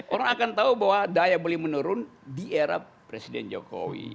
orang akan tahu bahwa daya beli menurun di era presiden jokowi